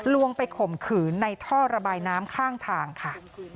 วงไปข่มขืนในท่อระบายน้ำข้างทางค่ะ